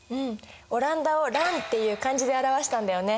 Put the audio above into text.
オランダを「蘭」っていう漢字で表したんだよね。